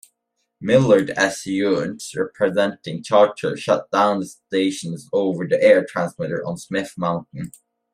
Millard S. Younts, representing Charter, shut down the station's over-the-air transmitter on Smith Mountain.